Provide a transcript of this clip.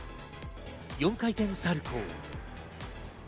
４回転サルコー。